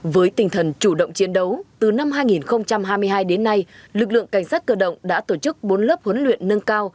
với tinh thần chủ động chiến đấu từ năm hai nghìn hai mươi hai đến nay lực lượng cảnh sát cơ động đã tổ chức bốn lớp huấn luyện nâng cao